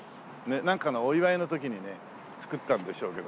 なんかのお祝いの時にね造ったんでしょうけどね。